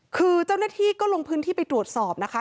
คือเจ้าหน้าที่ก็ลงพื้นที่ไปตรวจสอบนะคะ